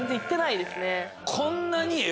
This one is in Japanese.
こんなに。